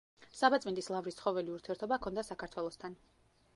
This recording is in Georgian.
საბაწმინდის ლავრის ცხოველი ურთიერთობა ჰქონდა საქართველოსთან.